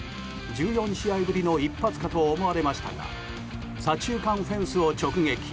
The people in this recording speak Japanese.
１４試合ぶりの一発かと思われましたが左中間フェンスを直撃。